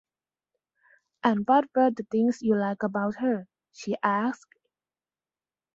“And what were the things you liked about her?” she asked.